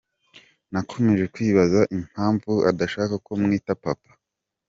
"Nakomeje kwibaza impamvu adashaka ko mwita papa.